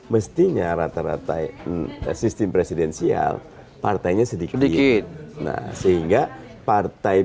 mestinya rata rata ya da strengths present ia partainya sedikit didikit nah sehingga partai